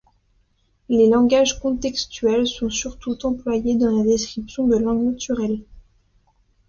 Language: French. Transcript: Les langages contextuels sont surtout employés dans la description de langues naturelles.